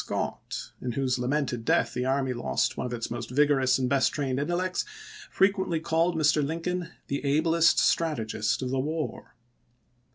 Scott, in whose lamented death the army lost one of its most vigorous and best trained intellects, frequently called Mr. Lincoln " the ablest strategist of the war."